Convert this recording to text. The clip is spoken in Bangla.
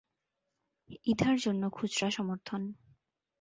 ইথার জন্য খুচরা সমর্থন।